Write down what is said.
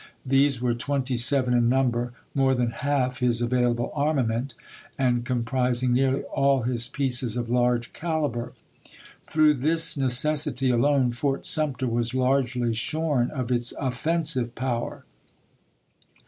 These were twenty seven in number, more than half his available armament, and comprising nearly all his pieces of large caliber. Through this necessity alone. Fort Sum ter was largely shorn of its offensive power.